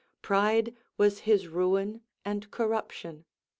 Pride was his ruin and corruption.